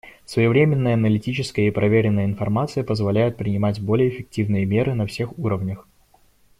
Своевременная, аналитическая и проверенная информация позволяет принимать более эффективные меры на всех уровнях.